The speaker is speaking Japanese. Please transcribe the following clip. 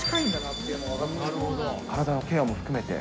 体のケアも含めて。